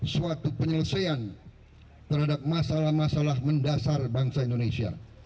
suatu penyelesaian terhadap masalah masalah mendasar bangsa indonesia